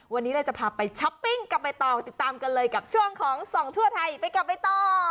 วันนี้เราจะพาไปช้อปปิ้งกับใบตองติดตามกันเลยกับช่วงของส่องทั่วไทยไปกับใบตอง